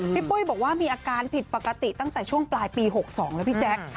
ปุ้ยบอกว่ามีอาการผิดปกติตั้งแต่ช่วงปลายปี๖๒แล้วพี่แจ๊ค